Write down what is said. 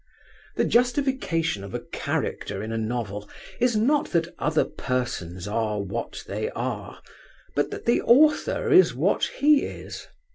The justification of a character in a novel is not that other persons are what they are, but that the author is what he is.